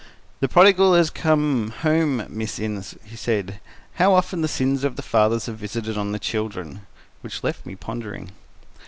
"The prodigal has come home, Miss Innes," he said. "How often the sins of the fathers are visited on the children!" Which left me pondering.